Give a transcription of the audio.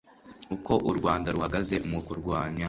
uko u rwanda ruhagaze mu kurwanya